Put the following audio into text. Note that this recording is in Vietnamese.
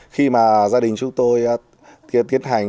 khi mà gia đình chúng tôi tiến hành